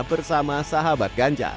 bersama sahabat ganjar